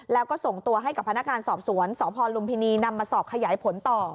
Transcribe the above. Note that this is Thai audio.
แล้วก็ส่งตัวให้กับพนักงานสอบสวนสพลุมพินีนำมาสอบขยายผลต่อ